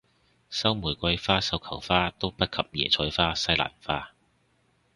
收玫瑰花繡球花都不及椰菜花西蘭花